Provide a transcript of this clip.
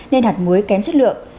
nên hạt muối kém chất lượng